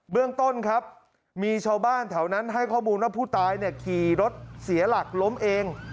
เรื่องต้นครับมีชาวบ้านแถวนั้นให้ข้อมูลว่าผู้ตายขี่รถเสียหลักล้มเอง